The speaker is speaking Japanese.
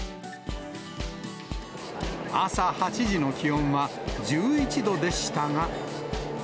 朝８時の気温は１１度でしたが。